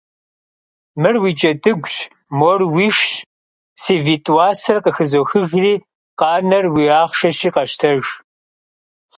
Мыр уи джэдыгущ, мор уишщ, си витӀ уасэр къыхызохыжри, къанэр уи ахъшэщи къэщтэж.